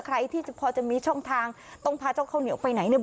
ใครที่พอจะมีช่องทางต้องพาเจ้าข้าวเหนียวไปไหนเนี่ย